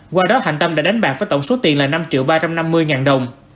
qua đó hạnh tâm đã đánh bạc với tổng số tiền là năm triệu ba trăm năm mươi ngàn đồng